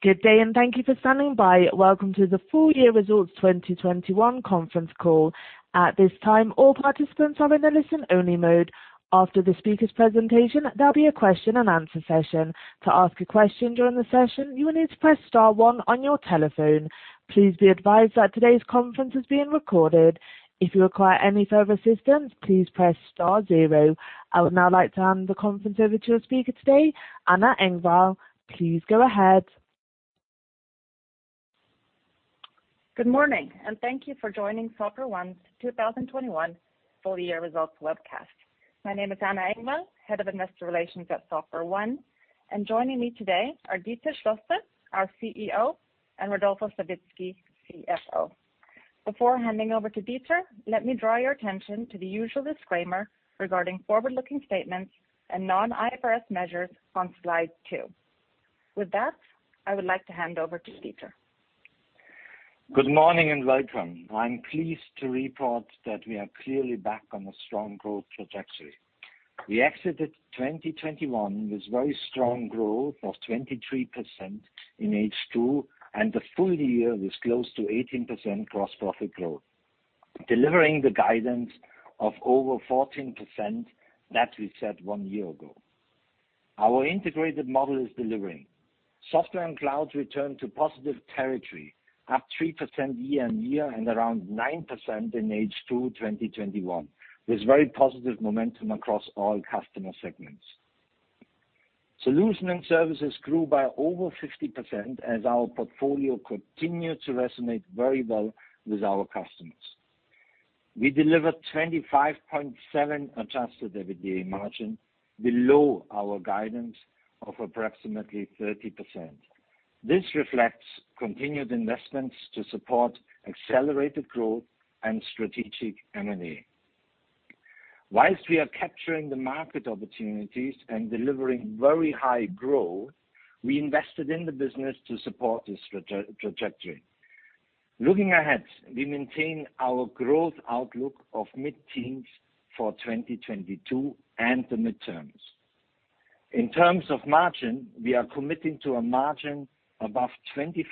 Good day, and thank you for standing by. Welcome to the Full Year Results 2021 conference call. At this time, all participants are in a listen-only mode. After the speaker's presentation, there'll be a question and answer session. To ask a question during the session, you will need to press star one on your telephone. Please be advised that today's conference is being recorded. If you require any further assistance, please press star zero. I would now like to hand the conference over to your speaker today, Anna Engvall. Please go ahead. Good morning, and thank you for joining SoftwareONE's 2021 full year results webcast. My name is Anna Engvall, Head of Investor Relations at SoftwareONE, and joining me today are Dieter Schlosser, our CEO, and Rodolfo Savitzky, CFO. Before handing over to Dieter, let me draw your attention to the usual disclaimer regarding forward-looking statements and non-IFRS measures on Slide 2. With that, I would like to hand over to Dieter. Good morning and welcome. I'm pleased to report that we are clearly back on a strong growth trajectory. We exited 2021 with very strong growth of 23% in H2, and the full year was close to 18% gross profit growth, delivering the guidance of over 14% that we set one year ago. Our integrated model is delivering. Software and clouds returned to positive territory, up 3% year-on-year and around 9% in H2 2021. There's very positive momentum across all customer segments. Solution and services grew by over 50% as our portfolio continued to resonate very well with our customers. We delivered 25.7 Adjusted EBITDA margin below our guidance of approximately 30%. This reflects continued investments to support accelerated growth and strategic M&A. While we are capturing the market opportunities and delivering very high growth, we invested in the business to support this trajectory. Looking ahead, we maintain our growth outlook of mid-teens for 2022 and the mid-term. In terms of margin, we are committing to a margin above 25%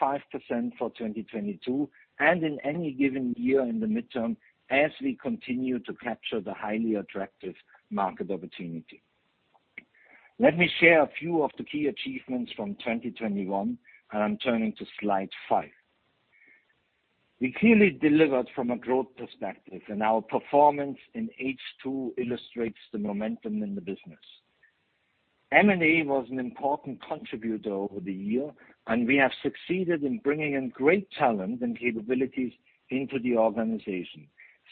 for 2022 and in any given year in the mid-term as we continue to capture the highly attractive market opportunity. Let me share a few of the key achievements from 2021, and I'm turning to Slide 5. We clearly delivered from a growth perspective, and our performance in H2 illustrates the momentum in the business. M&A was an important contributor over the year, and we have succeeded in bringing in great talent and capabilities into the organization,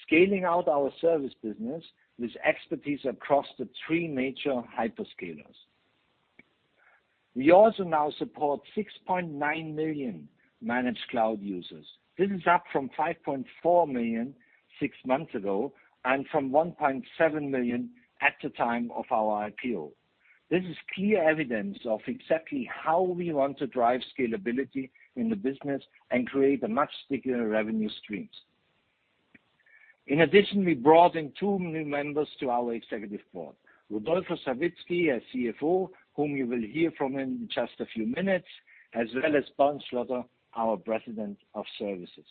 scaling out our service business with expertise across the three major hyperscalers. We also now support 6.9 million managed cloud users. This is up from 5.4 million six months ago and from 1.7 million at the time of our IPO. This is clear evidence of exactly how we want to drive scalability in the business and create a much stickier revenue streams. In addition, we brought in two new members to our executive board: Rodolfo Savitzky, our CFO, whom you will hear from in just a few minutes, as well as Bernd Schlotter, our president of services.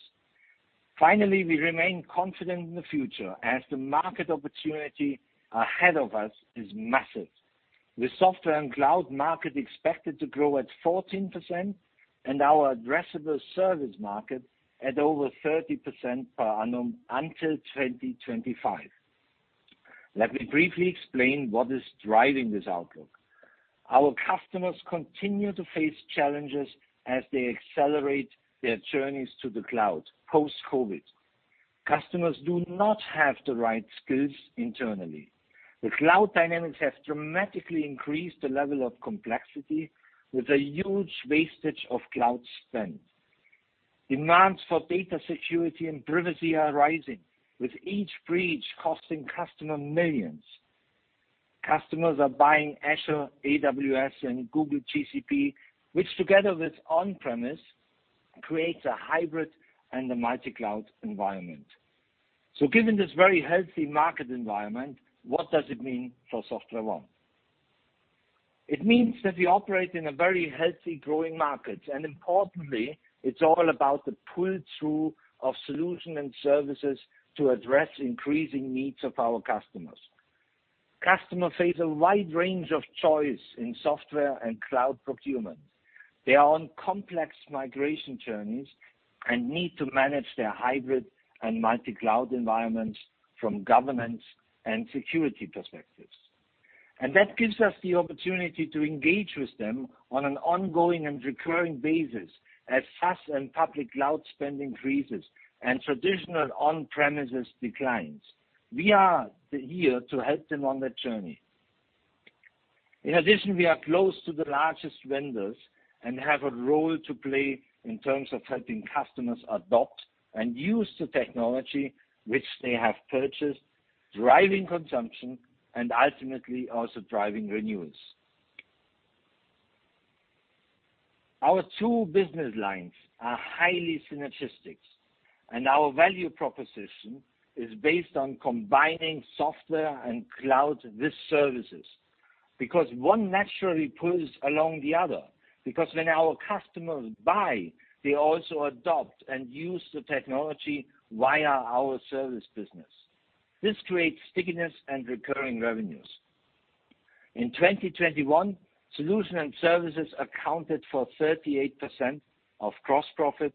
Finally, we remain confident in the future as the market opportunity ahead of us is massive. The software and cloud market expected to grow at 14% and our addressable service market at over 30% per annum until 2025. Let me briefly explain what is driving this outlook. Our customers continue to face challenges as they accelerate their journeys to the cloud post-COVID. Customers do not have the right skills internally. The cloud dynamics have dramatically increased the level of complexity with a huge wastage of cloud spend. Demands for data security and privacy are rising, with each breach costing customers millions. Customers are buying Azure, AWS, and Google GCP, which together with on-premises creates a hybrid and a multi-cloud environment. Given this very healthy market environment, what does it mean for SoftwareONE? It means that we operate in a very healthy growing market, and importantly, it's all about the pull-through of solutions and services to address increasing needs of our customers. Customers face a wide range of choice in software and cloud procurement. They are on complex migration journeys and need to manage their hybrid and multi-cloud environments from governance and security perspectives. That gives us the opportunity to engage with them on an ongoing and recurring basis as SaaS and public cloud spend increases and traditional on-premises declines. We are here to help them on their journey. In addition, we are close to the largest vendors and have a role to play in terms of helping customers adopt and use the technology which they have purchased, driving consumption and ultimately also driving renewals. Our two business lines are highly synergistic, and our value proposition is based on combining software and cloud with services. Because one naturally pulls along the other, because when our customers buy, they also adopt and use the technology via our service business. This creates stickiness and recurring revenues. In 2021, Solutions and Services accounted for 38% of gross profit.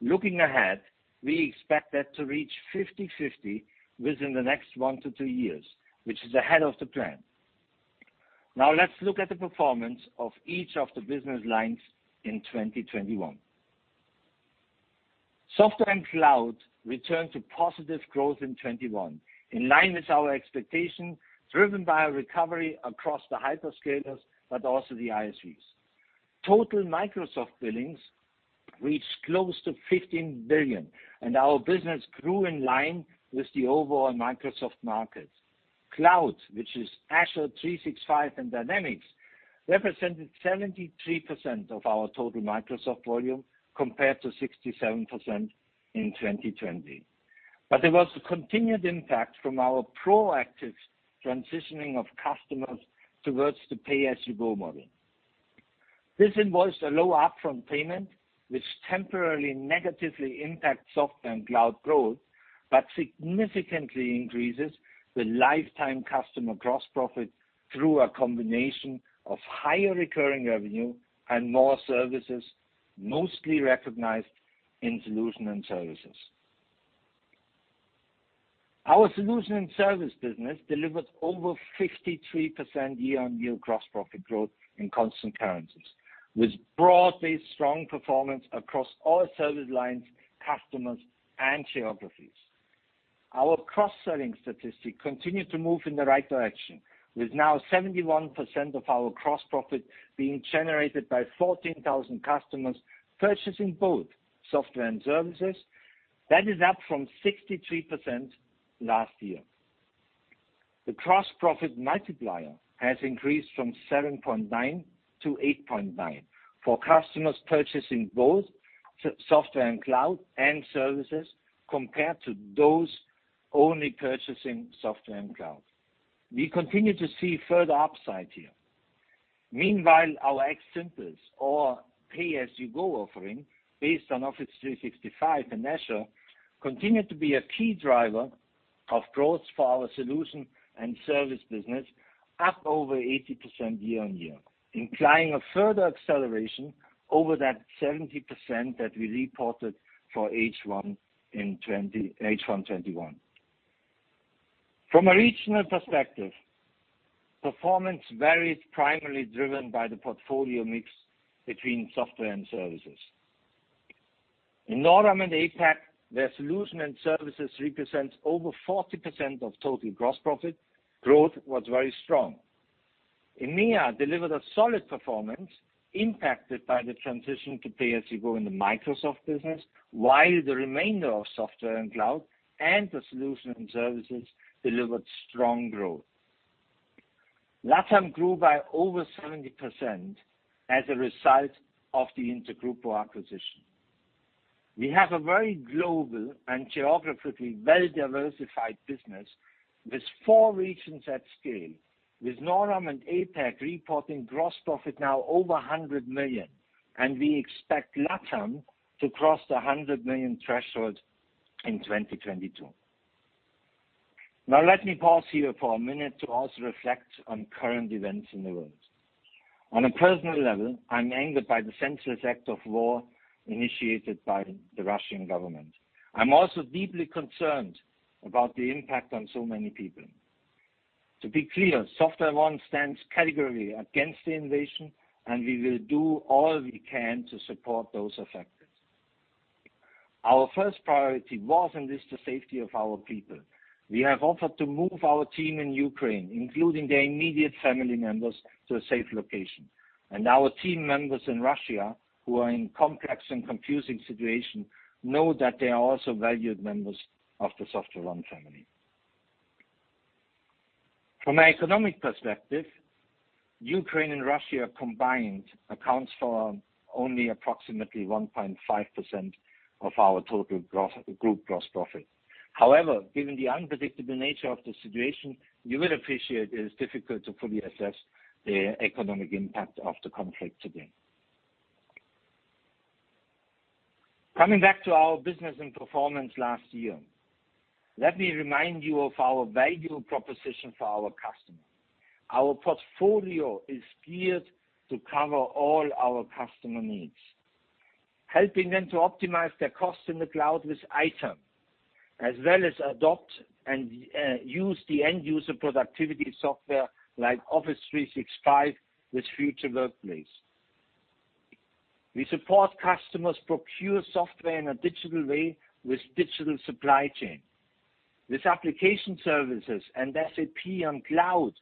Looking ahead, we expect that to reach 50/50 within the next 1-2 years, which is ahead of the plan. Now let's look at the performance of each of the business lines in 2021. Software and cloud returned to positive growth in 2021, in line with our expectation, driven by a recovery across the hyperscalers, but also the ISVs. Total Microsoft billings reached close to 15 billion, and our business grew in line with the overall Microsoft market. Cloud, which is Azure, 365 and Dynamics, represented 73% of our total Microsoft volume, compared to 67% in 2020. There was a continued impact from our proactive transitioning of customers towards the pay-as-you-go model. This involves a low upfront payment, which temporarily negatively impacts software and cloud growth, but significantly increases the lifetime customer gross profit through a combination of higher recurring revenue and more services, mostly recognized in solution and services. Our solution and service business delivered over 53% year-on-year gross profit growth in constant currencies, with broadly strong performance across all service lines, customers, and geographies. Our cross-selling statistic continued to move in the right direction, with now 71% of our cross profit being generated by 14,000 customers purchasing both software and services. That is up from 63% last year. The cross profit multiplier has increased from 7.9 to 8.9 for customers purchasing both software and cloud and services compared to those only purchasing software and cloud. We continue to see further upside here. Meanwhile, our XSimple or pay-as-you-go offering based on Office 365 and Azure continued to be a key driver of growth for our solution and service business, up over 80% year-on-year, implying a further acceleration over that 70% that we reported for H1 2021. From a regional perspective, performance varies primarily driven by the portfolio mix between software and services. In NORAM and APAC, where solution and services represents over 40% of total gross profit, growth was very strong. EMEA delivered a solid performance impacted by the transition to pay-as-you-go in the Microsoft business, while the remainder of software and cloud and the solution and services delivered strong growth. LATAM grew by over 70% as a result of the InterGrupo acquisition. We have a very global and geographically well-diversified business with four regions at scale, with NORAM and APAC reporting gross profit now over 100 million, and we expect LATAM to cross the 100 million threshold in 2022. Now, let me pause here for a minute to also reflect on current events in the world. On a personal level, I'm angered by the senseless act of war initiated by the Russian government. I'm also deeply concerned about the impact on so many people. To be clear, SoftwareONE stands categorically against the invasion, and we will do all we can to support those affected. Our first priority was and is the safety of our people. We have offered to move our team in Ukraine, including their immediate family members, to a safe location. Our team members in Russia, who are in complex and confusing situation, know that they are also valued members of the SoftwareONE family. From an economic perspective, Ukraine and Russia combined accounts for only approximately 1.5% of our total group gross profit. However, given the unpredictable nature of the situation, you will appreciate it is difficult to fully assess the economic impact of the conflict today. Coming back to our business and performance last year, let me remind you of our value proposition for our customer. Our portfolio is geared to cover all our customer needs, helping them to optimize their costs in the cloud with ITAM, as well as adopt and use the end user productivity software like Office 365 with Future Workplace. We support customers procure software in a digital way with Digital Supply Chain. With application services and SAP on Cloud,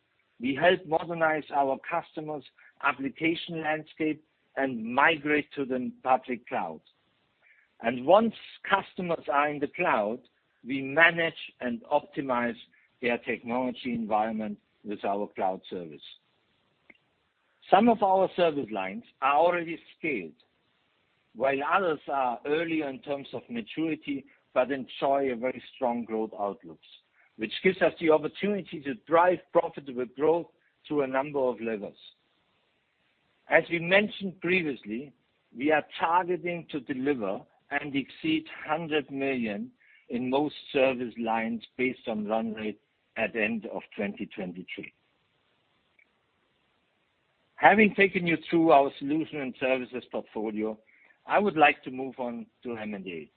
we help modernize our customers' application landscape and migrate to the public cloud. Once customers are in the cloud, we manage and optimize their technology environment with our cloud service. Some of our service lines are already scaled, while others are early in terms of maturity, but enjoy a very strong growth outlook, which gives us the opportunity to drive profitable growth through a number of levers. As we mentioned previously, we are targeting to deliver and exceed 100 million in most service lines based on run rate at the end of 2023. Having taken you through our solution and services portfolio, I would like to move on to M&A.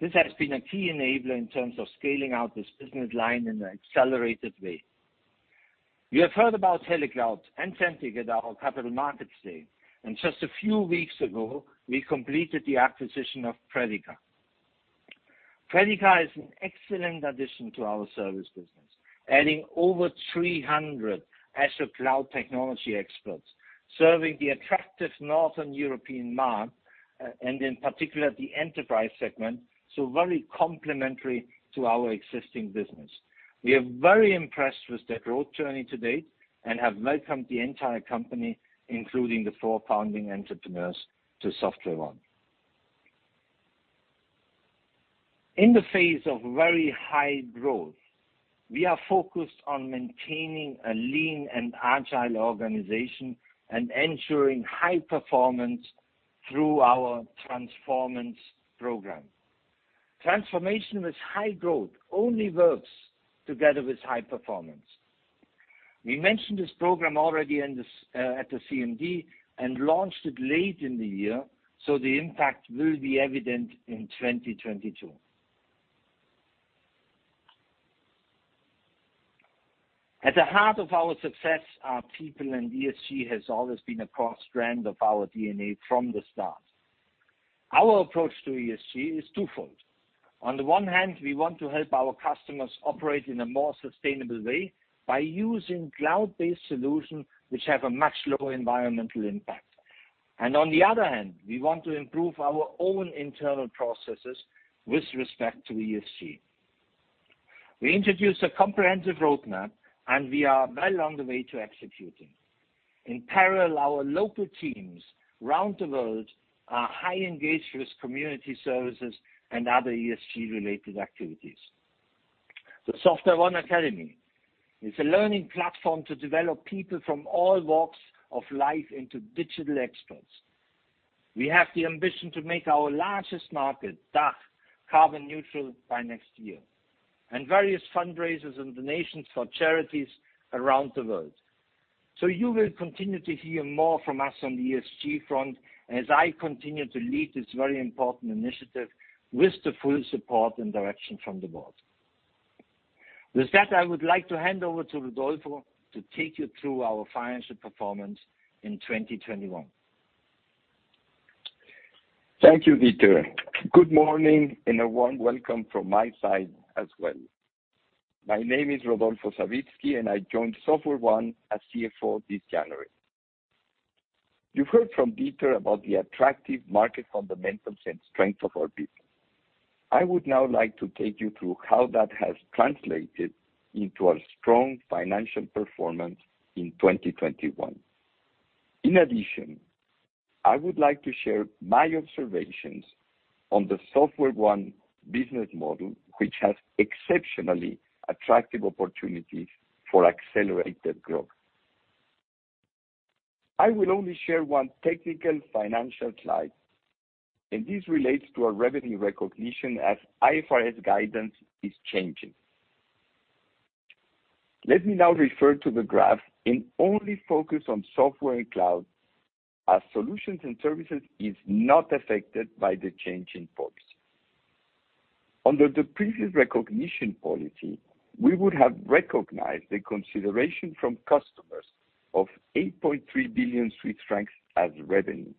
This has been a key enabler in terms of scaling out this business line in an accelerated way. You have heard about HeleCloud and Centiq at our capital markets day, and just a few weeks ago, we completed the acquisition of Predica. Predica is an excellent addition to our service business, adding over 300 Azure cloud technology experts serving the attractive Northern European market and in particular, the enterprise segment, so very complementary to our existing business. We are very impressed with their growth journey to date and have welcomed the entire company, including the four founding entrepreneurs, to SoftwareONE. In the face of very high growth, we are focused on maintaining a lean and agile organization and ensuring high performance through our Transformance program. Transformation with high growth only works together with high performance. We mentioned this program already at the CMD and launched it late in the year, so the impact will be evident in 2022. At the heart of our success are people, and ESG has always been a core strand of our DNA from the start. Our approach to ESG is twofold. On the one hand, we want to help our customers operate in a more sustainable way by using cloud-based solutions which have a much lower environmental impact. On the other hand, we want to improve our own internal processes with respect to ESG. We introduced a comprehensive roadmap, and we are well on the way to executing. In parallel, our local teams around the world are highly engaged with community services and other ESG-related activities. The SoftwareONE Academy is a learning platform to develop people from all walks of life into digital experts. We have the ambition to make our largest market, DACH, carbon neutral by next year, and various fundraisers and donations for charities around the world. You will continue to hear more from us on the ESG front as I continue to lead this very important initiative with the full support and direction from the board. With that, I would like to hand over to Rodolfo to take you through our financial performance in 2021. Thank you, Dieter. Good morning, and a warm welcome from my side as well. My name is Rodolfo Savitzky, and I joined SoftwareONE as CFO this January. You've heard from Dieter about the attractive market fundamentals and strength of our people. I would now like to take you through how that has translated into a strong financial performance in 2021. In addition, I would like to share my observations on the SoftwareONE business model, which has exceptionally attractive opportunities for accelerated growth. I will only share one technical financial slide, and this relates to our revenue recognition as IFRS guidance is changing. Let me now refer to the graph and only focus on software and cloud as solutions and services is not affected by the change in policy. Under the previous recognition policy, we would have recognized the consideration from customers of 8.3 billion Swiss francs as revenue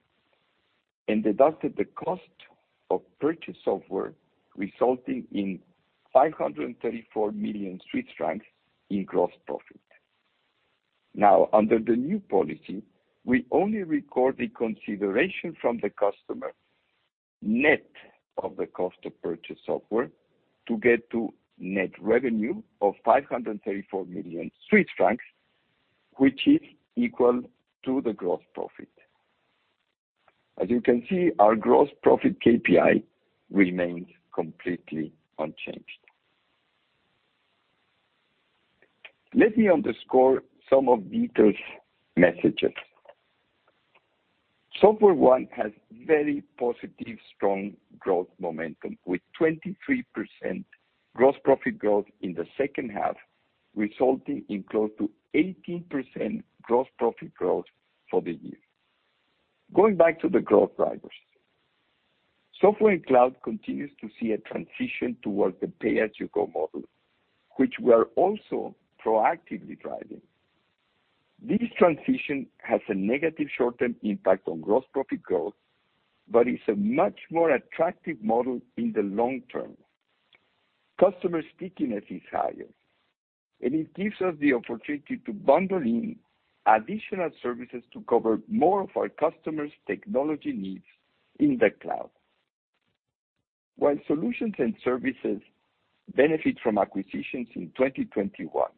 and deducted the cost of purchased software, resulting in 534 million Swiss francs in gross profit. Now, under the new policy, we only record the consideration from the customer net of the cost of purchased software to get to net revenue of 534 million Swiss francs, which is equal to the gross profit. As you can see, our gross profit KPI remains completely unchanged. Let me underscore some of Dieter's messages. SoftwareONE has very positive strong growth momentum, with 23% gross profit growth in the second half, resulting in close to 18% gross profit growth for the year. Going back to the growth drivers, Software and Cloud continues to see a transition towards the pay-as-you-go model, which we are also proactively driving. This transition has a negative short-term impact on gross profit growth but is a much more attractive model in the long term. Customer stickiness is higher, and it gives us the opportunity to bundle in additional services to cover more of our customers' technology needs in the cloud. While solutions and services benefit from acquisitions in 2021,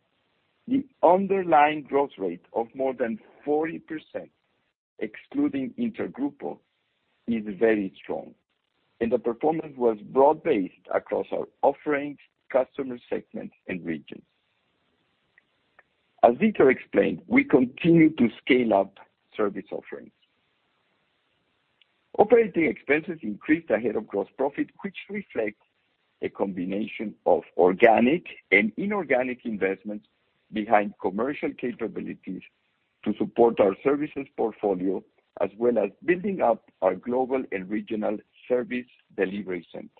the underlying growth rate of more than 40%, excluding InterGrupo, is very strong. The performance was broad-based across our offerings, customer segments, and regions. As Dieter explained, we continue to scale up service offerings. Operating expenses increased ahead of gross profit, which reflects a combination of organic and inorganic investments behind commercial capabilities to support our services portfolio, as well as building up our global and regional service delivery centers.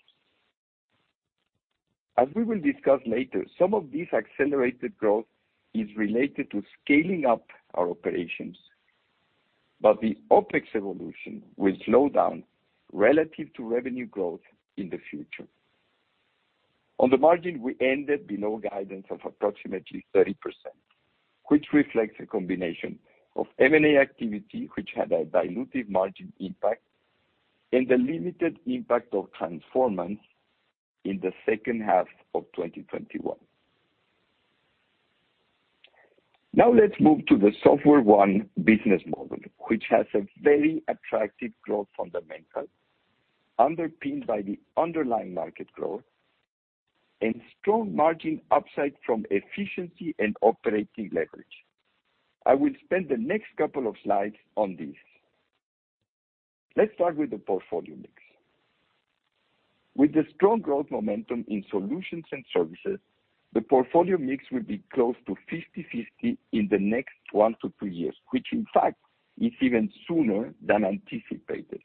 As we will discuss later, some of this accelerated growth is related to scaling up our operations. The OpEx evolution will slow down relative to revenue growth in the future. On the margin, we ended below guidance of approximately 30%, which reflects a combination of M&A activity, which had a dilutive margin impact, and the limited impact of Transformance in the second half of 2021. Now let's move to the SoftwareONE business model, which has a very attractive growth fundamental, underpinned by the underlying market growth and strong margin upside from efficiency and operating leverage. I will spend the next couple of slides on this. Let's start with the portfolio mix. With the strong growth momentum in solutions and services, the portfolio mix will be close to 50/50 in the next 1-2 years, which in fact is even sooner than anticipated.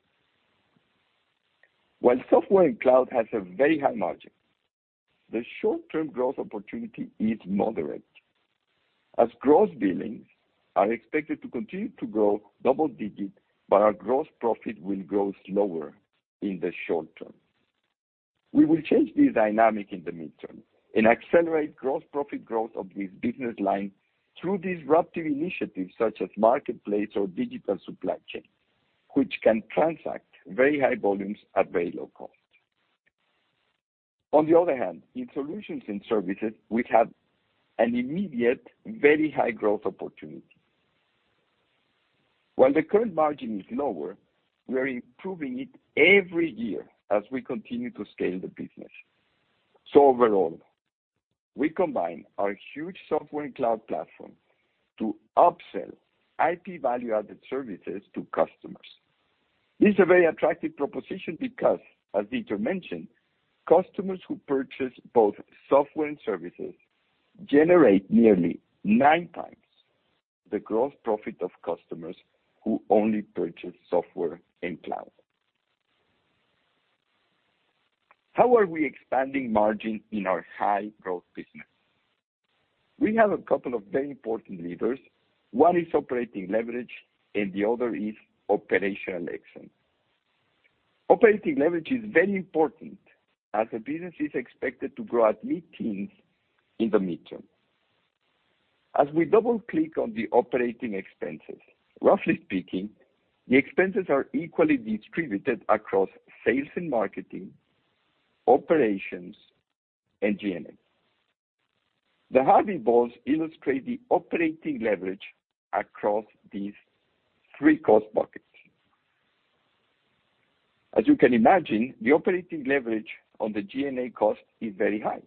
While software and cloud has a very high margin, the short-term growth opportunity is moderate, as gross billings are expected to continue to grow double digits, but our gross profit will grow slower in the short term. We will change this dynamic in the mid-term and accelerate gross profit growth of this business line through disruptive initiatives such as Marketplace or Digital Supply Chain, which can transact very high volumes at very low cost. On the other hand, in solutions and services, we have an immediate, very high growth opportunity. While the current margin is lower, we are improving it every year as we continue to scale the business. Overall, we combine our huge software and cloud platform to upsell IP value-added services to customers. This is a very attractive proposition because, as Dieter mentioned, customers who purchase both software and services generate nearly nine times the gross profit of customers who only purchase software and cloud. How are we expanding margin in our high-growth business? We have a couple of very important levers. One is operating leverage, and the other is operational excellence. Operating leverage is very important as the business is expected to grow at mid-teens in the mid-term. As we double-click on the operating expenses, roughly speaking, the expenses are equally distributed across sales and marketing, operations, and G&A. The Harvey Balls illustrate the operating leverage across these three cost buckets. As you can imagine, the operating leverage on the G&A cost is very high.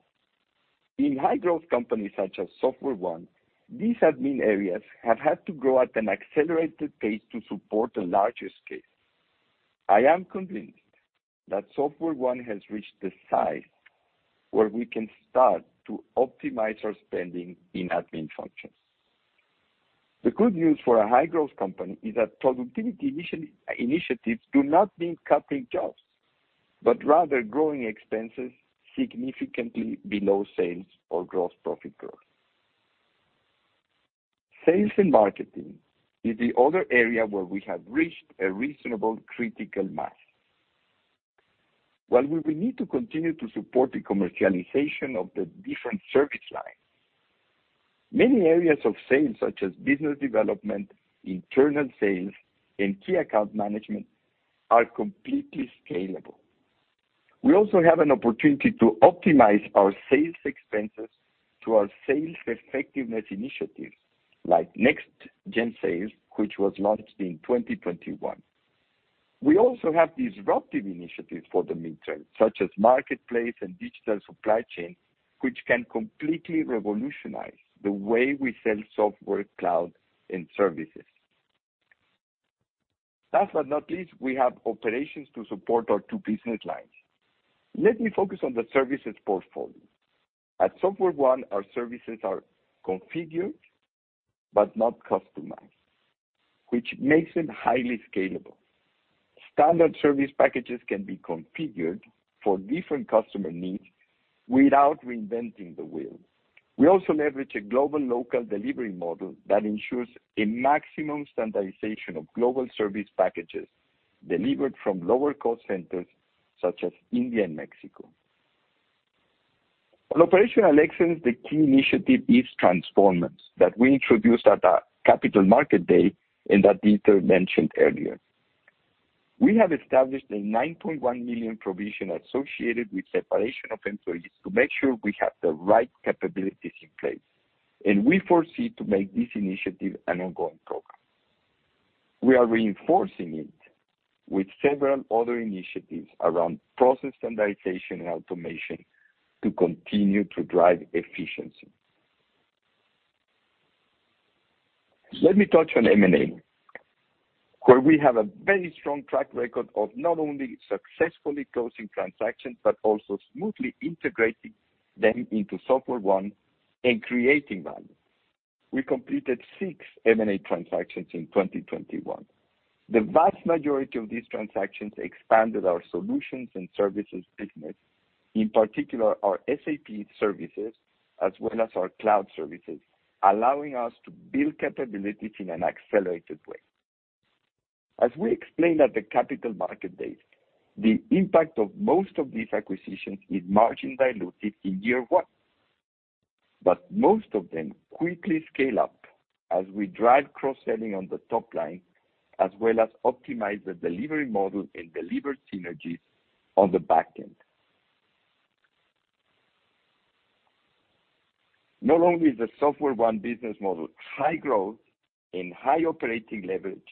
In high-growth companies such as SoftwareONE, these admin areas have had to grow at an accelerated pace to support a larger scale. I am convinced that SoftwareONE has reached the size where we can start to optimize our spending in admin functions. The good news for a high-growth company is that productivity initiatives do not mean cutting jobs, but rather growing expenses significantly below sales or gross profit growth. Sales and marketing is the other area where we have reached a reasonable critical mass. While we will need to continue to support the commercialization of the different service lines, many areas of sales, such as business development, internal sales, and key account management, are completely scalable. We also have an opportunity to optimize our sales expenses to our sales effectiveness initiatives, like next-gen sales, which was launched in 2021. We also have disruptive initiatives for the mid-term, such as Marketplace and Digital Supply Chain, which can completely revolutionize the way we sell software, cloud, and services. Last but not least, we have operations to support our two business lines. Let me focus on the services portfolio. At SoftwareONE, our services are configured but not customized, which makes them highly scalable. Standard service packages can be configured for different customer needs without reinventing the wheel. We also leverage a global-local delivery model that ensures a maximum standardization of global service packages delivered from lower cost centers such as India and Mexico. On operational excellence, the key initiative is Transformance that we introduced at our capital market day, and that Dieter mentioned earlier. We have established a 9.1 million provision associated with separation of employees to make sure we have the right capabilities in place, and we foresee to make this initiative an ongoing program. We are reinforcing it with several other initiatives around process standardization and automation to continue to drive efficiency. Let me touch on M&A, where we have a very strong track record of not only successfully closing transactions, but also smoothly integrating them into SoftwareONE and creating value. We completed six M&A transactions in 2021. The vast majority of these transactions expanded our solutions and services business, in particular our SAP services as well as our cloud services, allowing us to build capabilities in an accelerated way. As we explained at the capital market date, the impact of most of these acquisitions is margin dilutive in year one. Most of them quickly scale up as we drive cross-selling on the top line, as well as optimize the delivery model and deliver synergies on the back end. No longer is the SoftwareONE business model high growth and high operating leverage,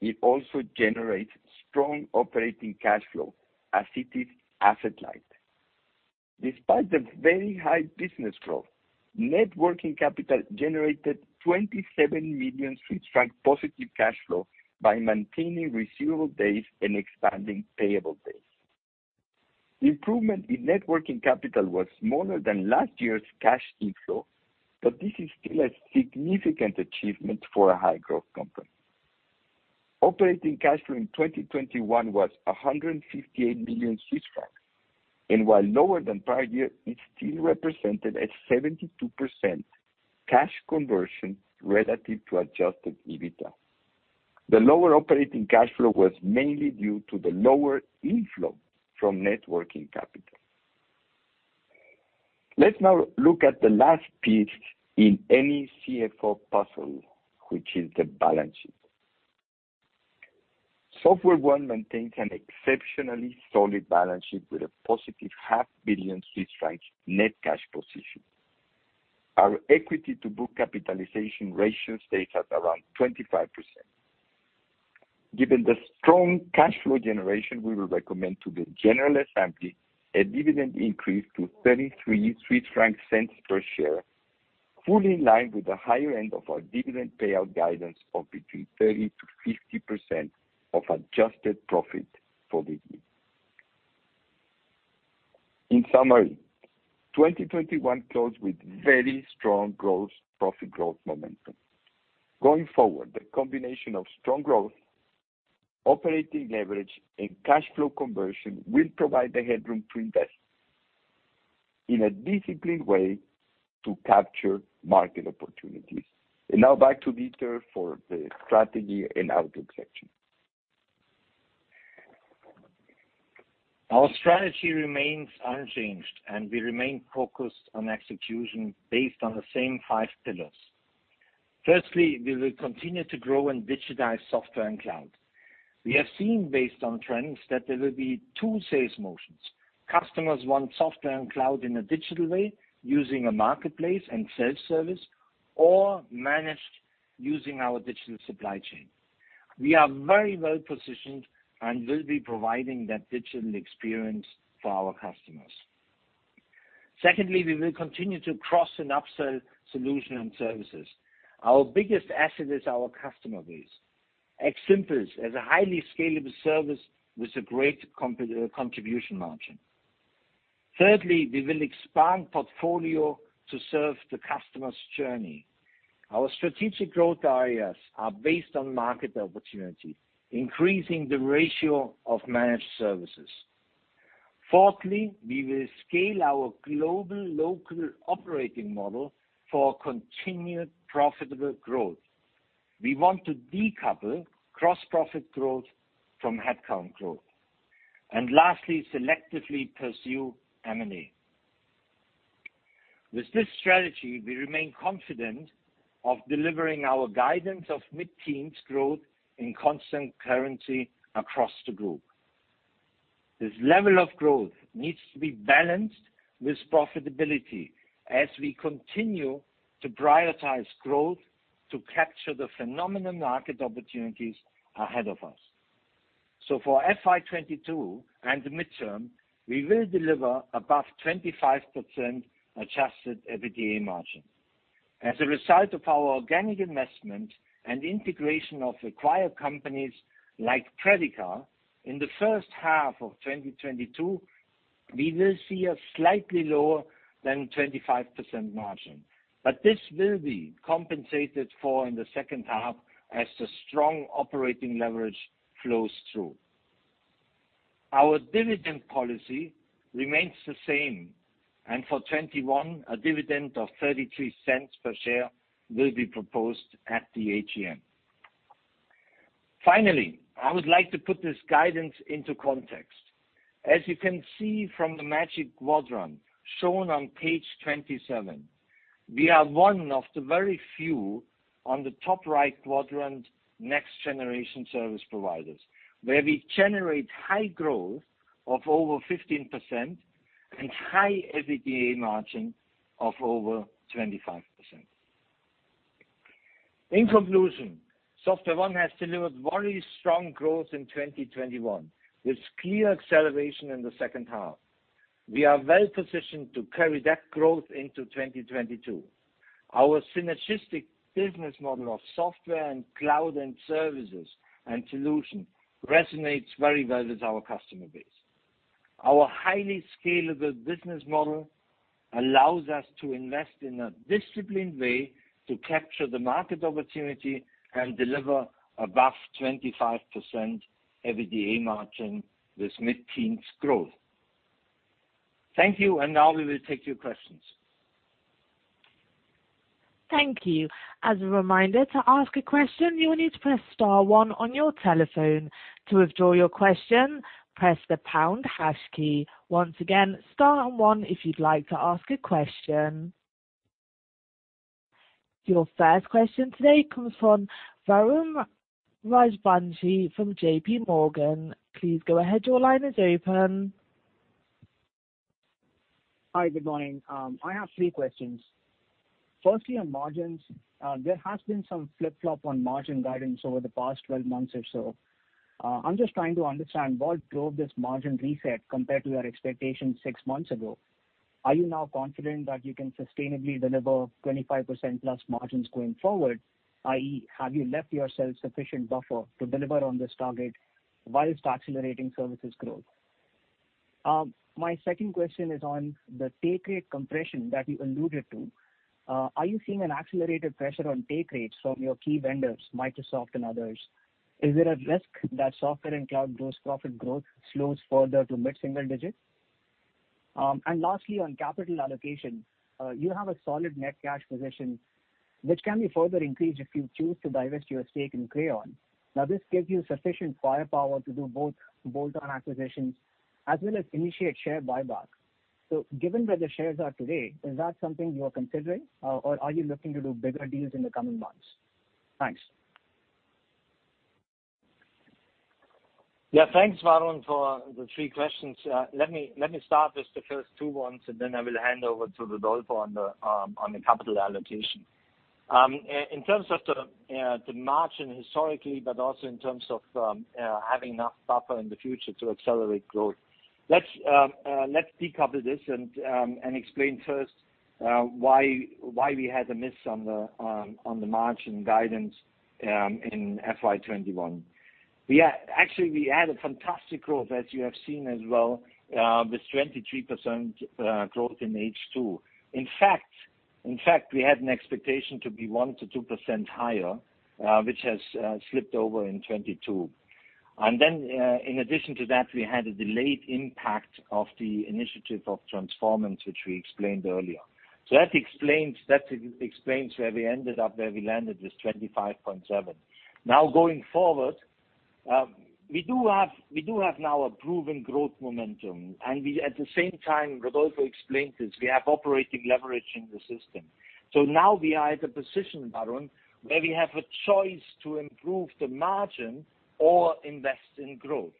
it also generates strong operating cash flow as it is asset light. Despite the very high business growth, net working capital generated 27 million francs positive cash flow by maintaining receivable days and expanding payable days. Improvement in net working capital was smaller than last year's cash inflow, but this is still a significant achievement for a high-growth company. Operating cash flow in 2021 was 158 million Swiss francs. While lower than prior year, it still represented a 72% cash conversion relative to Adjusted EBITDA. The lower operating cash flow was mainly due to the lower inflow from net working capital. Let's now look at the last piece in any CFO puzzle, which is the balance sheet. SoftwareONE maintains an exceptionally solid balance sheet with a positive half billion CHF net cash position. Our equity to book capitalization ratio stays at around 25%. Given the strong cash flow generation, we will recommend to the general assembly a dividend increase to 0.33 per share, fully in line with the higher end of our dividend payout guidance of between 30%-50% of adjusted profit for this year. In summary, 2021 closed with very strong gross profit growth momentum. Going forward, the combination of strong growth, operating leverage and cash flow conversion will provide the headroom to invest in a disciplined way to capture market opportunities. Now back to Dieter for the strategy and outlook section. Our strategy remains unchanged, and we remain focused on execution based on the same five pillars. Firstly, we will continue to grow and digitize software and cloud. We have seen based on trends that there will be two sales motions. Customers want software and cloud in a digital way using a Marketplace and self-service or managed using our Digital Supply Chain. We are very well positioned and will be providing that digital experience for our customers. Secondly, we will continue to cross and upsell solution and services. Our biggest asset is our customer base. As simple as a highly scalable service with a great contribution margin. Thirdly, we will expand portfolio to serve the customer's journey. Our strategic growth areas are based on market opportunity, increasing the ratio of managed services. Fourthly, we will scale our global local operating model for continued profitable growth. We want to decouple gross profit growth from headcount growth. Lastly, selectively pursue M&A. With this strategy, we remain confident of delivering our guidance of mid-teens growth in constant currency across the group. This level of growth needs to be balanced with profitability as we continue to prioritize growth to capture the phenomenal market opportunities ahead of us. For FY 2022 and the midterm, we will deliver above 25% adjusted EBITDA margin. As a result of our organic investment and integration of acquired companies like Predica, in the first half of 2022, we will see a slightly lower than 25% margin. This will be compensated for in the second half as the strong operating leverage flows through. Our dividend policy remains the same. For 2021, a dividend of 0.33 CHF per share will be proposed at the AGM. Finally, I would like to put this guidance into context. As you can see from the Magic Quadrant shown on page 27, we are one of the very few on the top right quadrant next generation service providers, where we generate high growth of over 15% and high EBITDA margin of over 25%. In conclusion, SoftwareONE has delivered very strong growth in 2021, with clear acceleration in the second half. We are well positioned to carry that growth into 2022. Our synergistic business model of software and cloud and services and solution resonates very well with our customer base. Our highly scalable business model allows us to invest in a disciplined way to capture the market opportunity and deliver above 25% EBITDA margin with mid-teens growth. Thank you. Now we will take your questions. Thank you. As a reminder, to ask a question, you will need to press star one on your telephone. To withdraw your question, press the pound hash key. Once again, star one if you'd like to ask a question. Your first question today comes from Varun Rajwanshi from JPMorgan. Please go ahead. Your line is open. Hi, good morning. I have three questions. First, on margins. There has been some flip-flop on margin guidance over the past 12 months or so. I'm just trying to understand what drove this margin reset compared to your expectations six months ago. Are you now confident that you can sustainably deliver 25%+ margins going forward? i.e., have you left yourself sufficient buffer to deliver on this target while accelerating services growth? My second question is on the take rate compression that you alluded to. Are you seeing an accelerated pressure on take rates from your key vendors, Microsoft and others? Is there a risk that software and cloud gross profit growth slows further to mid-single digits%? Lastly, on capital allocation. You have a solid net cash position, which can be further increased if you choose to divest your stake in Crayon. Now, this gives you sufficient firepower to do both bolt-on acquisitions as well as initiate share buyback. Given where the shares are today, is that something you are considering or are you looking to do bigger deals in the coming months? Thanks. Yeah. Thanks, Varun, for the three questions. Let me start with the first two ones, and then I will hand over to Rodolfo on the capital allocation. In terms of the margin historically, but also in terms of having enough buffer in the future to accelerate growth. Let's decouple this and explain first why we had a miss on the margin guidance in FY 2021. We actually had a fantastic growth, as you have seen as well, with 23% growth in H2. In fact, we had an expectation to be 1%-2% higher, which has slipped over in 2022. In addition to that, we had a delayed impact of the initiative of Transformance, which we explained earlier. That explains where we ended up, where we landed with 25.7. Now, going forward, we do have now a proven growth momentum. We, at the same time, Rodolfo explained this, we have operating leverage in the system. Now we are at a position, Varun, where we have a choice to improve the margin or invest in growth.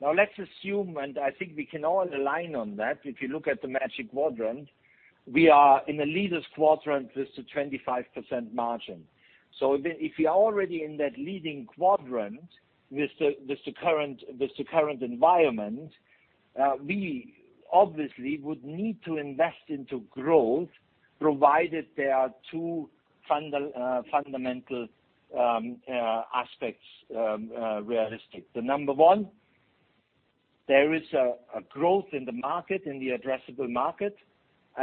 Now, let's assume, and I think we can all align on that, if you look at the Magic Quadrant, we are in a leader's quadrant with a 25% margin. If you're already in that leading quadrant with the current environment, we obviously would need to invest into growth, provided there are two fundamental aspects realistic. Number one, there is a growth in the market, in the addressable market.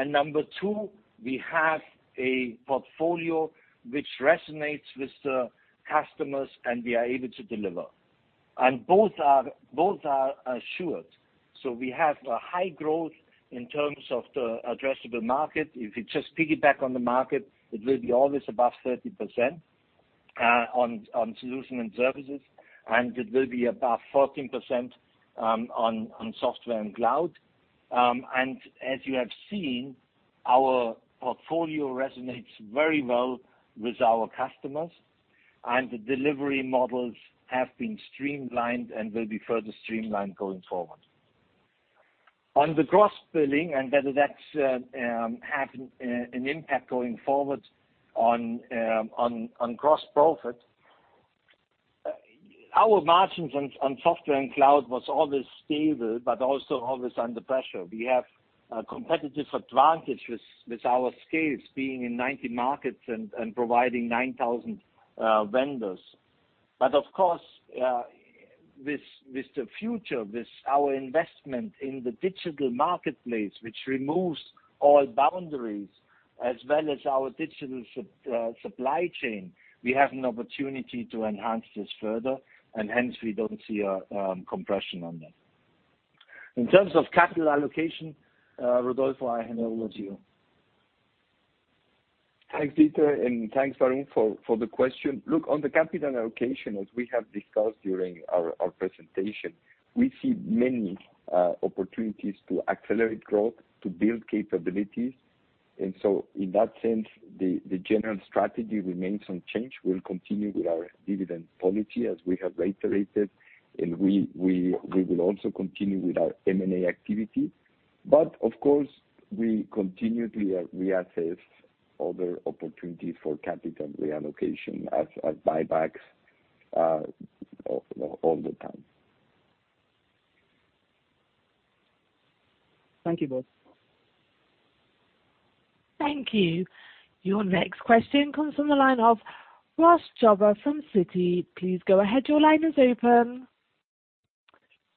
Number two, we have a portfolio which resonates with the customers, and we are able to deliver. Both are assured. We have a high growth in terms of the addressable market. If you just piggyback on the market, it will be always above 30% on solutions and services, and it will be above 14% on software and cloud. As you have seen, our portfolio resonates very well with our customers, and the delivery models have been streamlined and will be further streamlined going forward. On the gross billing and whether that's having an impact going forward on gross profit. Our margins on software and cloud was always stable but also always under pressure. We have a competitive advantage with our scales being in 90 markets and providing 9,000 vendors. Of course, with the future, with our investment in the Digital Marketplace, which removes all boundaries as well as our Digital Supply Chain, we have an opportunity to enhance this further, and hence we don't see a compression on that. In terms of capital allocation, Rodolfo, I hand over to you. Thanks, Dieter, and thanks, Varun, for the question. Look, on the capital allocation, as we have discussed during our presentation, we see many opportunities to accelerate growth, to build capabilities. In that sense, the general strategy remains unchanged. We'll continue with our dividend policy as we have reiterated, and we will also continue with our M&A activity. Of course, we continue to reassess other opportunities for capital reallocation as buybacks, you know, all the time. Thank you both. Thank you. Your next question comes from the line of Ross Jobber from Citi. Please go ahead, your line is open.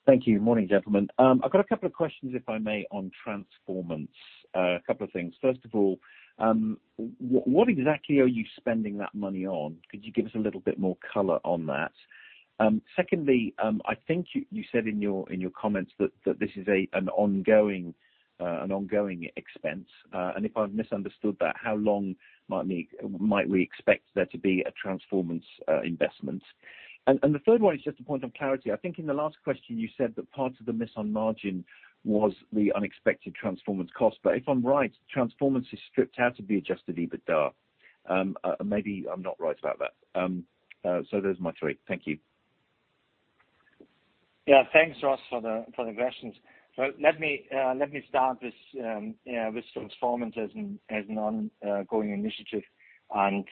Thank you. Morning, gentlemen. I've got a couple of questions, if I may, on Transformance. A couple of things. First of all, what exactly are you spending that money on? Could you give us a little bit more color on that? Secondly, I think you said in your comments that this is an ongoing expense. And if I've misunderstood that, how long might we expect there to be a Transformance investment? And the third one is just a point of clarity. I think in the last question you said that part of the miss on margin was the unexpected Transformance cost. But if I'm right, Transformance is stripped out of the Adjusted EBITDA. Maybe I'm not right about that. So those are my three. Thank you. Yeah. Thanks, Ross, for the questions. Let me start this with Transformance as an ongoing initiative and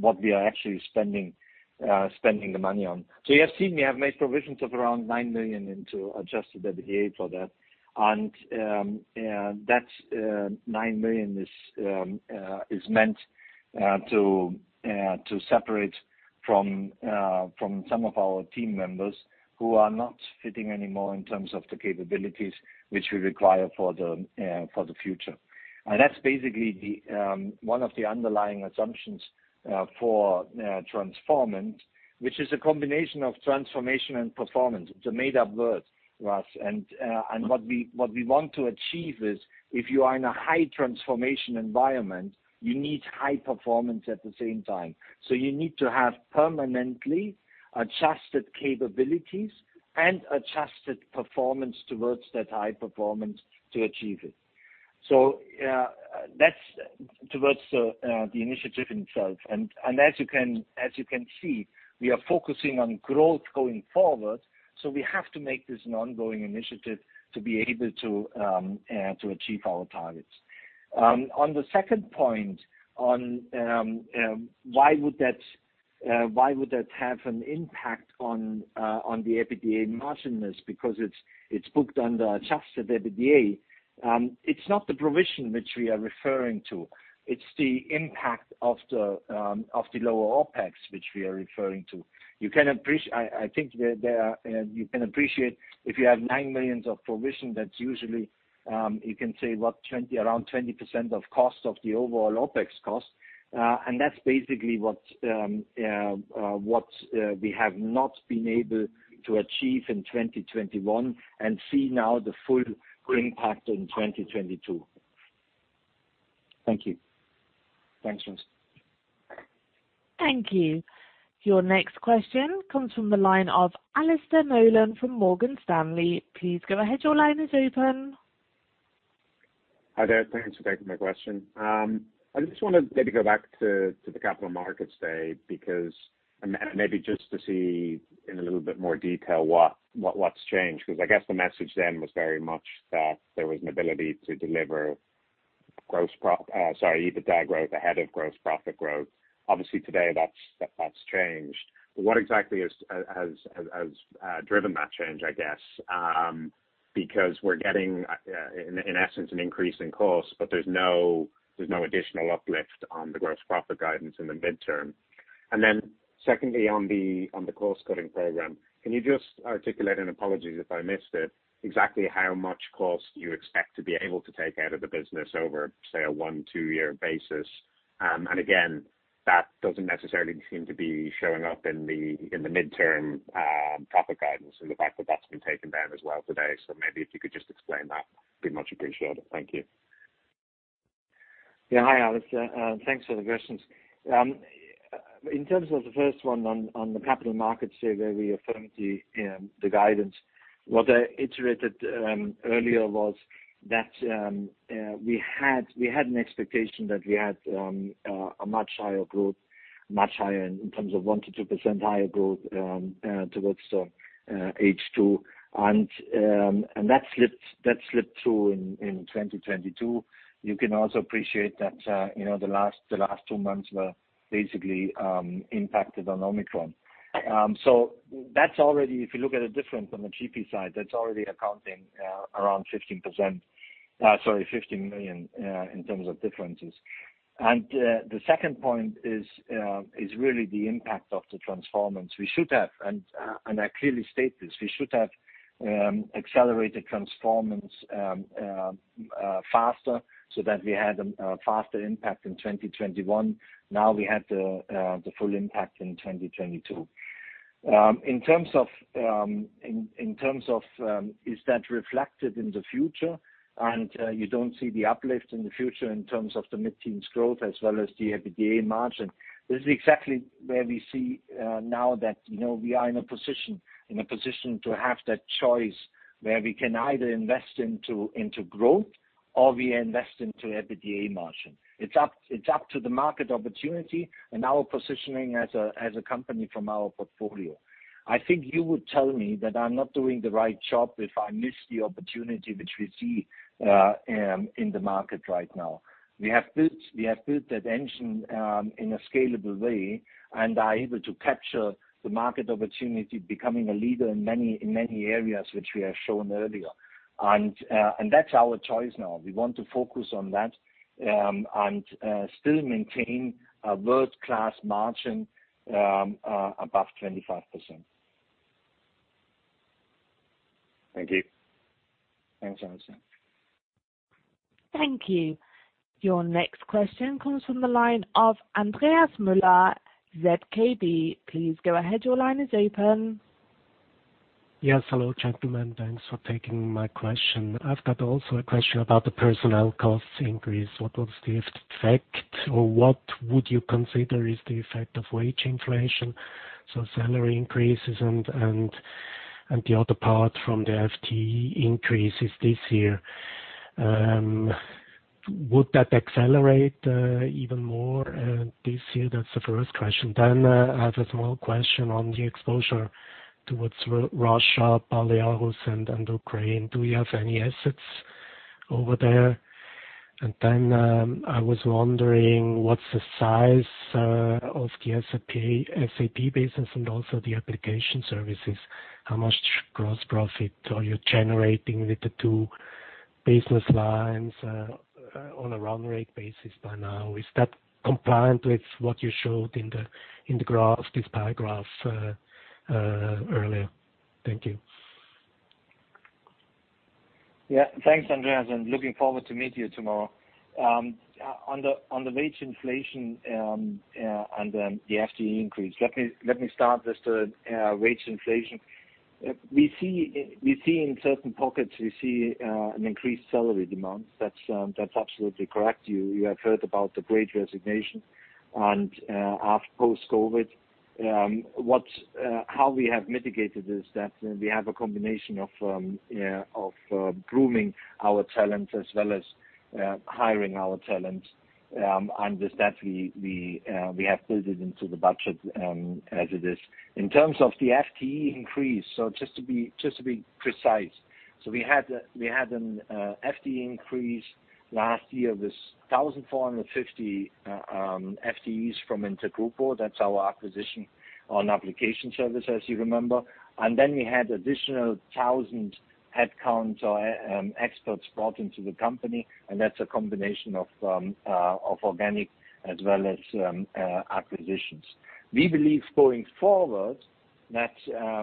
what we are actually spending the money on. You have seen me. I've made provisions of around 9 million into Adjusted EBITDA for that. That 9 million is meant to separate from some of our team members who are not fitting anymore in terms of the capabilities which we require for the future. That's basically one of the underlying assumptions for Transformance, which is a combination of transformation and performance. It's a made-up word, Ross. What we want to achieve is if you are in a high transformation environment, you need high performance at the same time. You need to have permanently adjusted capabilities and adjusted performance towards that high performance to achieve it. That's towards the initiative itself. As you can see, we are focusing on growth going forward, so we have to make this an ongoing initiative to be able to achieve our targets. On the second point on why would that have an impact on the EBITDA margin is because it's booked under adjusted EBITDA. It's not the provision which we are referring to. It's the impact of the lower OpEx, which we are referring to. I think there you can appreciate if you have 9 million of provision. That's usually you can say around 20% of cost of the overall OpEx cost. That's basically what we have not been able to achieve in 2021 and see now the full impact in 2022. Thank you. Thanks, Ross. Thank you. Your next question comes from the line of Alastair Nolan from Morgan Stanley. Please go ahead, your line is open. Hi there. Thanks for taking my question. I just wanna maybe go back to the Capital Markets Day because maybe just to see in a little bit more detail what's changed. 'Cause I guess the message then was very much that there was an ability to deliver EBITDA growth ahead of gross profit growth. Obviously, today that's changed. What exactly has driven that change, I guess? Because we're getting in essence an increase in cost, but there's no additional uplift on the gross profit guidance in the midterm. Then secondly, on the cost-cutting program, can you just articulate, and apologies if I missed it, exactly how much cost you expect to be able to take out of the business over, say, a one, two-year basis? Again, that doesn't necessarily seem to be showing up in the midterm profit guidance and the fact that that's been taken down as well today. Maybe if you could just explain that, it'd be much appreciated. Thank you. Yeah. Hi, Alastair, thanks for the questions. In terms of the first one on the capital markets here where we affirmed the guidance, what I iterated earlier was that we had an expectation that we had a much higher growth, much higher in terms of 1%-2% higher growth towards the H2. That slipped through in 2022. You can also appreciate that you know the last two months were basically impacted on Omicron. So that's already, if you look at the difference on the GP side, that's already accounting around 15%—sorry, 50 million in terms of differences. The second point is really the impact of the Transformance we should have. I clearly state this: we should have accelerated Transformance faster so that we had a faster impact in 2021. Now we have the full impact in 2022. In terms of is that reflected in the future and you don't see the uplift in the future in terms of the mid-teens growth as well as the EBITDA margin, this is exactly where we see now that, you know, we are in a position to have that choice where we can either invest into growth or we invest into EBITDA margin. It's up to the market opportunity and our positioning as a company from our portfolio. I think you would tell me that I'm not doing the right job if I miss the opportunity which we see in the market right now. We have built that engine in a scalable way and are able to capture the market opportunity becoming a leader in many areas which we have shown earlier. That's our choice now. We want to focus on that and still maintain a world-class margin above 25%. Thank you. Thanks, Alastair. Thank you. Your next question comes from the line of Andreas Müller, ZKB. Please go ahead. Your line is open. Yes. Hello, gentlemen. Thanks for taking my question. I've got also a question about the personnel cost increase. What was the effect or what would you consider is the effect of wage inflation, so salary increases and the other part from the FTE increases this year? Would that accelerate even more this year? That's the first question. Then I have a small question on the exposure towards Russia, Belarus, and Ukraine. Do you have any assets over there? And then I was wondering what's the size of the SAP business and also the application services. How much gross profit are you generating with the two business lines on a run rate basis by now? Is that consistent with what you showed in the graph, this pie graph earlier? Thank you. Yeah. Thanks, Andreas, and looking forward to meet you tomorrow. On the wage inflation and then the FTE increase, let me start just wage inflation. We see in certain pockets an increased salary demand. That's absolutely correct. You have heard about the great resignation and post-COVID. How we have mitigated is that we have a combination of grooming our talent as well as hiring our talent, and that we have built it into the budget as it is. In terms of the FTE increase, just to be precise, we had an FTE increase last year with 1,450 FTEs from InterGrupo. That's our acquisition on application service, as you remember. Then we had additional 1,000 headcounts or experts brought into the company, and that's a combination of organic as well as acquisitions. We believe going forward that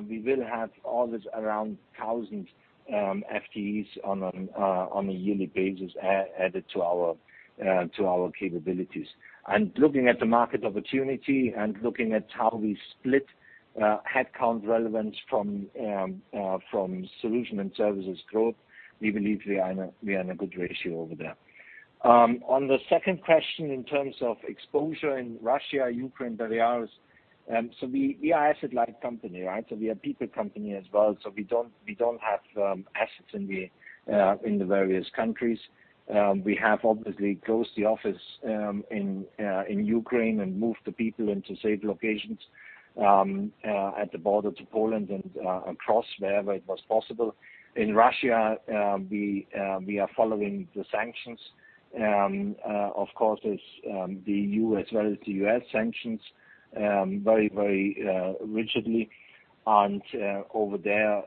we will have always around 1,000 FTEs on a yearly basis added to our capabilities. Looking at the market opportunity and looking at how we split headcount relevance from solution and services growth, we believe we are in a good ratio over there. On the second question in terms of exposure in Russia, Ukraine, Belarus, we are asset light company, right? We are people company as well. We don't have assets in the various countries. We have obviously closed the office in Ukraine and moved the people into safe locations at the border to Poland and across wherever it was possible. In Russia, we are following the sanctions, of course, as the EU as well as the U.S. sanctions, very rigidly. Over there,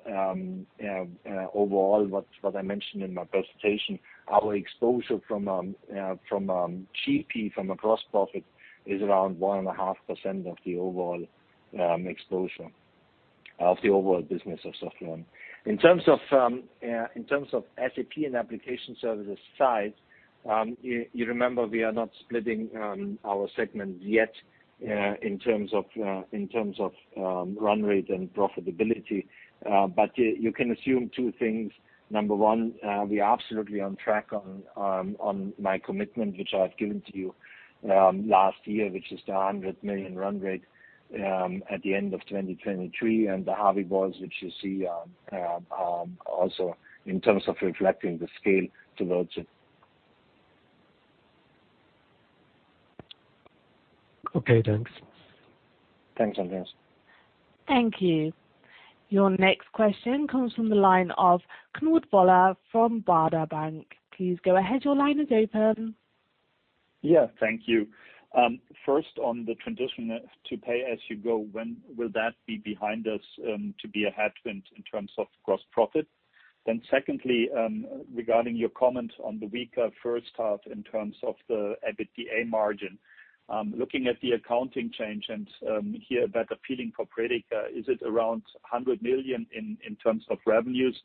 overall, what I mentioned in my presentation, our exposure from GP, from the gross profit is around 1.5% of the overall exposure of the overall business of SoftwareONE. In terms of SAP and application services size, you remember we are not splitting our segments yet, in terms of run rate and profitability. you can assume two things. Number one, we are absolutely on track on my commitment which I've given to you last year which is the 100 million run rate at the end of 2023, and the Harvey Balls which you see also in terms of reflecting the scale towards it. Okay, thanks. Thanks, Andreas. Thank you. Your next question comes from the line of Knut Woller from Baader Bank. Please go ahead. Your line is open. Yeah. Thank you. First on the transition to pay-as-you-go, when will that be behind us to be a headwind in terms of gross profit? Secondly, regarding your comment on the weaker first half in terms of the EBITDA margin, looking at the accounting change and have a better feeling for Predica, is it around 100 million in terms of revenues?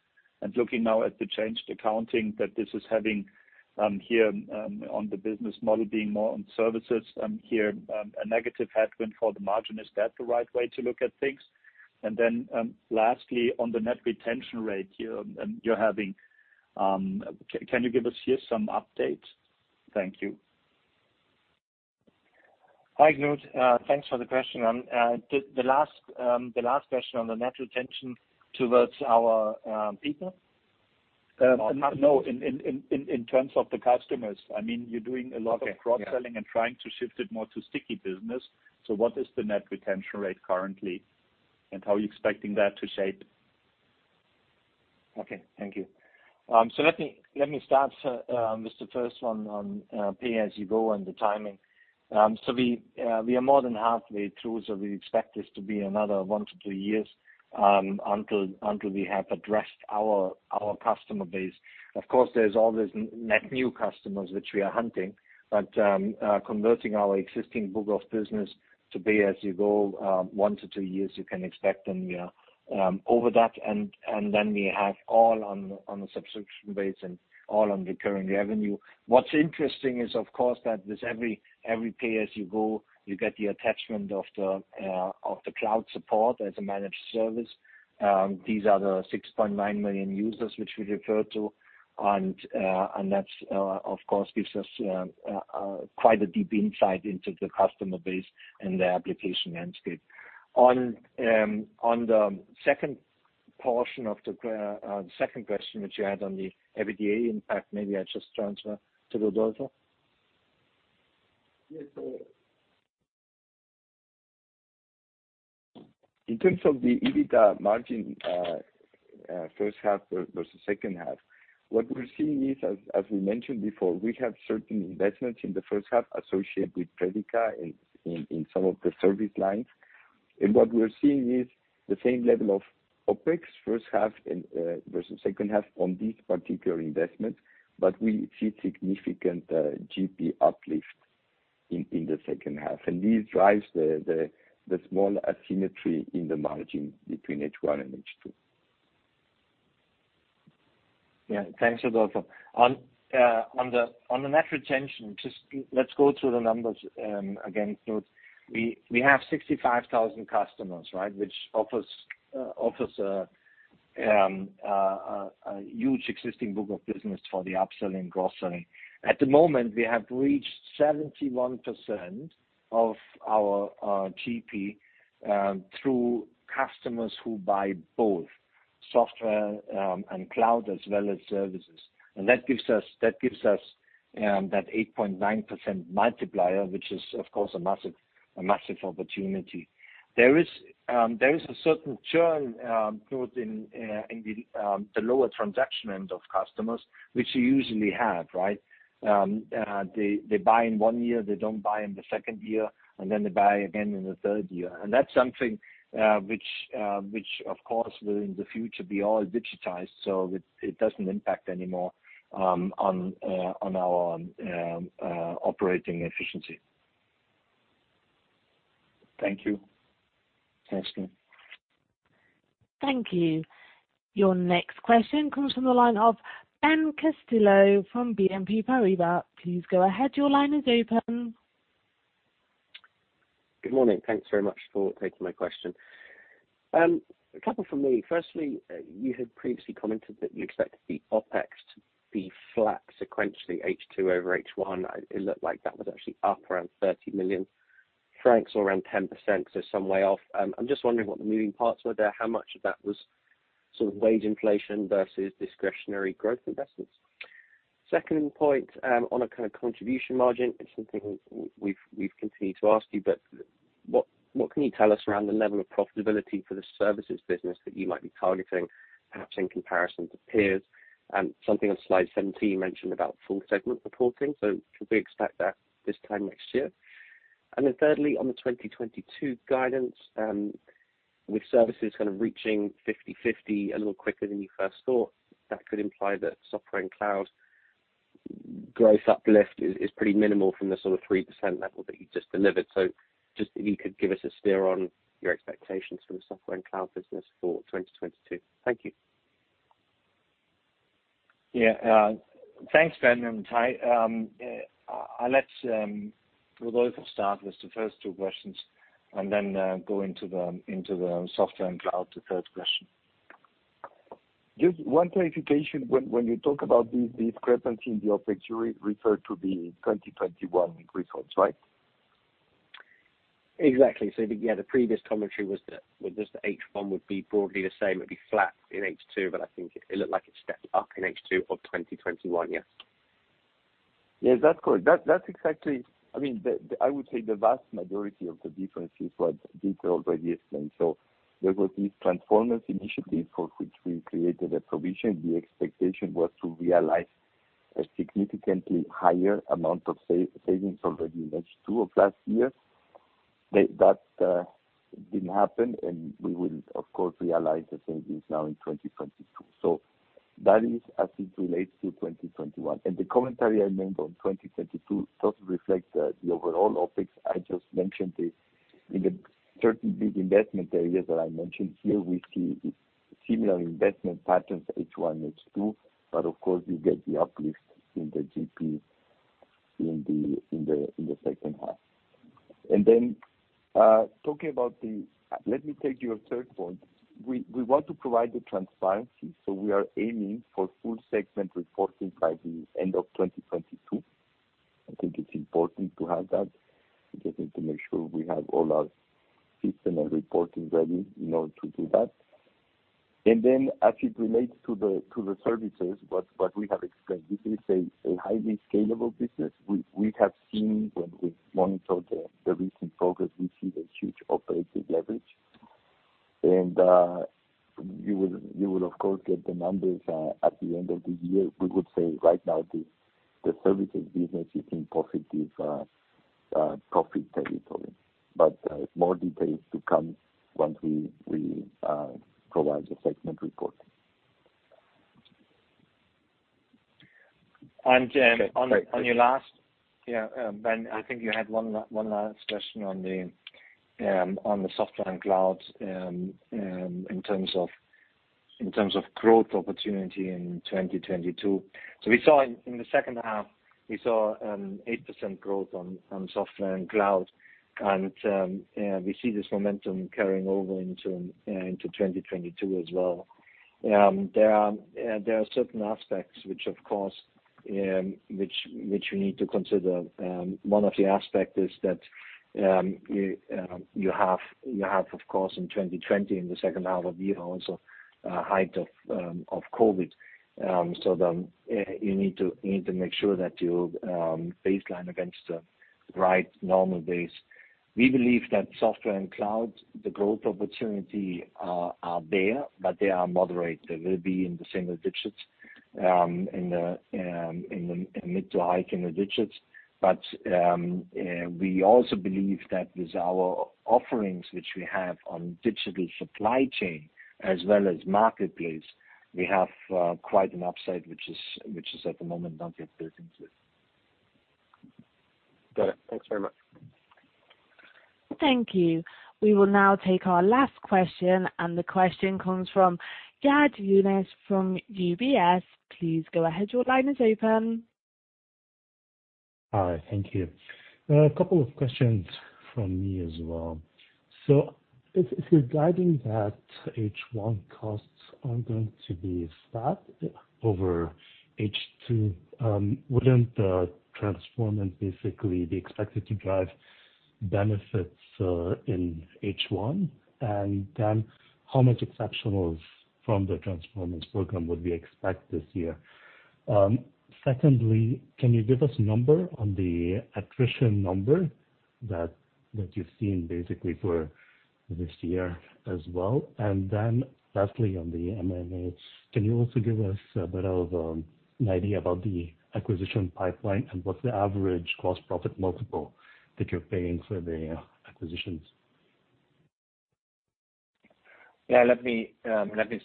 Looking now at the changed accounting that this is having on the business model being more on services, a negative headwind for the margin. Is that the right way to look at things? Lastly, on the net retention rate you're having, can you give us some updates? Thank you. Hi, Knut. Thanks for the question. The last question on the net retention towards our people? No, in terms of the customers. I mean, you're doing a lot of. Okay. Yeah. Cross-selling and trying to shift it more to sticky business. What is the net retention rate currently, and how are you expecting that to shape? Okay, thank you. Let me start with the first one on pay-as-you-go and the timing. We are more than halfway through, so we expect this to be another 1-2 years until we have addressed our customer base. Of course, there's always net new customers which we are hunting. Converting our existing book of business to pay-as-you-go, 1-2 years, you can expect them, yeah, over that. Then we have all on a subscription base and all on recurring revenue. What's interesting is, of course, that with every pay-as-you-go, you get the attachment of the cloud support as a managed service. These are the 6.9 million users which we refer to. that of course gives us quite a deep insight into the customer base and their application landscape. On the second portion of the second question which you had on the EBITDA impact, maybe I just transfer to Rodolfo. Yes, in terms of the EBITDA margin, first half versus second half, what we're seeing is, as we mentioned before, we have certain investments in the first half associated with Predica in some of the service lines. What we're seeing is the same level of OpEx first half versus second half on these particular investments, but we see significant GP uplift in the second half. This drives the small asymmetry in the margin between H1 and H2. Yeah. Thanks, Rodolfo. On the net retention, just let's go through the numbers again, Knut. We have 65,000 customers, right? Which offers a huge existing book of business for the upselling and cross-selling. At the moment, we have reached 71% of our GP through customers who buy both software and cloud as well as services. That gives us that 8.9% multiplier, which is, of course, a massive opportunity. There is a certain churn, Knut, in the lower transaction end of customers, which you usually have, right? They buy in one year, they don't buy in the second year, and then they buy again in the third year. That's something, which of course will in the future be all digitized so it doesn't impact anymore on our operating efficiency. Thank you. Thanks, Knut. Thank you. Your next question comes from the line of Ben Castillo-Bernaus from BNP Paribas. Please go ahead. Your line is open. Good morning. Thanks very much for taking my question. A couple from me. Firstly, you had previously commented that you expect the OpEx to be flat sequentially H2 over H1. It looked like that was actually up around 30 million francs or around 10%, so some way off. I'm just wondering what the moving parts were there, how much of that was sort of wage inflation versus discretionary growth investments. Second point, on a kind of contribution margin, it's something we've continued to ask you, but what can you tell us around the level of profitability for the services business that you might be targeting, perhaps in comparison to peers? Something on Slide 17, you mentioned about full segment reporting. Should we expect that this time next year? Thirdly, on the 2022 guidance, with services kind of reaching 50/50 a little quicker than you first thought, that could imply that software and cloud growth uplift is pretty minimal from the sort of 3% level that you just delivered. Just if you could give us a steer on your expectations for the software and cloud business for 2022. Thank you. Yeah. Thanks, Ben. I'll let Rodolfo start with the first two questions and then go into the software and cloud, the third question. Just one clarification. When you talk about the discrepancy in the OpEx, you refer to the 2021 results, right? Exactly. The previous commentary was just the H1 would be broadly the same. It'd be flat in H2, but I think it looked like it stepped up in H2 of 2021. Yeah. Yes, that's correct. That's exactly. I mean, I would say the vast majority of the difference is what Dieter already explained. There was the Transformance initiatives for which we created a provision. The expectation was to realize a significantly higher amount of savings already in H2 of last year. That didn't happen, and we will of course realize the savings now in 2022. That is as it relates to 2021. The commentary I made on 2022 doesn't reflect the overall OpEx. I just mentioned it in certain big investment areas that I mentioned. Here we see similar investment patterns H1, H2, but of course you get the uplift in the GP in the second half. Talking about. Let me take your third point. We want to provide the transparency, so we are aiming for full segment reporting by the end of 2022. I think it's important to have that. We just need to make sure we have all our system and reporting ready in order to do that. As it relates to the services, what we have explained, this is a highly scalable business. We have seen when we monitor the recent progress, we see the huge operating leverage. You will of course get the numbers at the end of the year. We would say right now the services business is in positive profit territory. More details to come once we provide the segment report. On your last. Okay, great. Ben, I think you had one last question on the software and cloud in terms of growth opportunity in 2022. We saw in the second half we saw 8% growth on software and cloud, and we see this momentum carrying over into 2022 as well. There are certain aspects which of course we need to consider. One of the aspects is that you have of course in 2020 in the second half of the year also a height of COVID. You need to make sure that you baseline against a right normal base. We believe that software and cloud, the growth opportunity are there, but they are moderate. They will be in the single digits in mid to high single digits. We also believe that with our offerings which we have on Digital Supply Chain as well as Marketplace, we have quite an upside which is at the moment not yet built into it. Got it. Thanks very much. Thank you. We will now take our last question, and the question comes from Jad Younes from UBS. Please go ahead. Your line is open. Hi. Thank you. A couple of questions from me as well. If you're guiding that H1 costs are going to be flat over H2, wouldn't the Transformance basically be expected to drive benefits in H1? Then how much exceptionals from the Transformance program would we expect this year? Secondly, can you give us a number on the attrition number that you've seen basically for this year as well? Then lastly, on the M&As, can you also give us a bit of an idea about the acquisition pipeline and what's the average gross profit multiple that you're paying for the acquisitions? Yeah, let me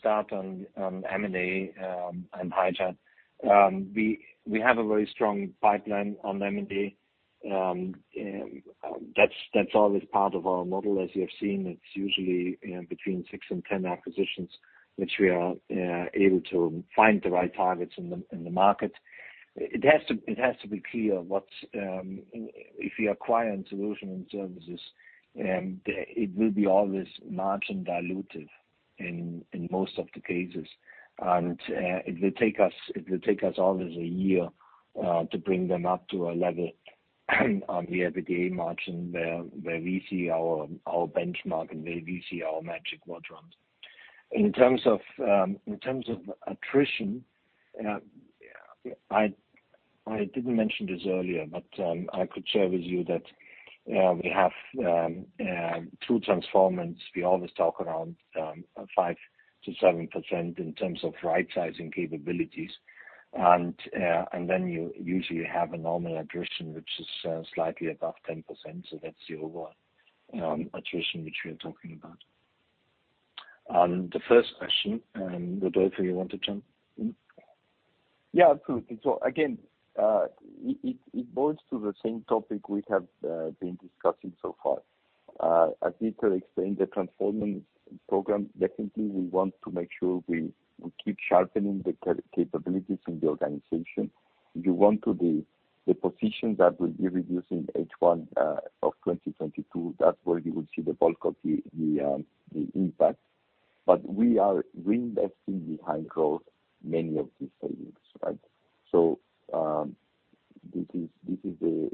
start on M&A. We have a very strong pipeline on M&A. That's always part of our model. As you have seen, it's usually, you know, between 6 and 10 acquisitions which we are able to find the right targets in the market. It has to be clear what's if you acquire in solution and services, it will be always margin dilutive in most of the cases. It will take us always a year to bring them up to a level on the EBITDA margin where we see our benchmark and where we see our Magic Quadrant. In terms of attrition, I didn't mention this earlier, but I could share with you that we have two Transformance. We always talk around 5%-7% in terms of right sizing capabilities. Then you usually have a normal attrition which is slightly above 10%, so that's the overall attrition which we are talking about. The first question, Rodolfo, you want to jump in? Yeah, absolutely. Again, it boils to the same topic we have been discussing so far. As Dieter explained, the Transformance program, definitely we want to make sure we keep sharpening the capabilities in the organization. We want to be in the position that will be reducing in H1 of 2022. That's where you will see the bulk of the impact. We are reinvesting in growth many of these savings, right? This is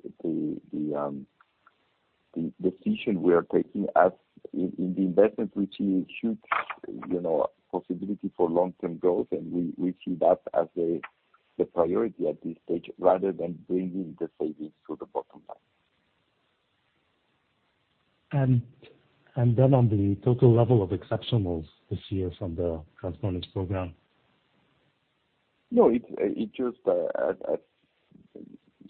the decision we are taking as an investment, which is huge, you know, possibility for long-term growth. We see that as the priority at this stage rather than bringing the savings to the bottom line. on the total level of exceptionals this year from the Transformance program. No, it's just as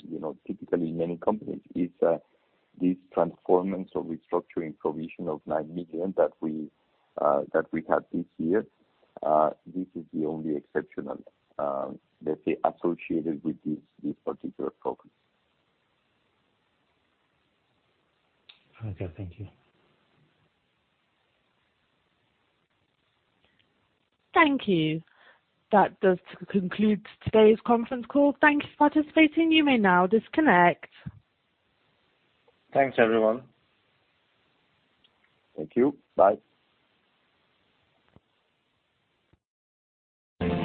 you know, typically in many companies, it's these Transformance or restructuring provision of 9 million that we had this year. This is the only exceptional, let's say, associated with this particular program. Okay, thank you. Thank you. That does conclude today's conference call. Thank you for participating. You may now disconnect. Thanks, everyone. Thank you. Bye.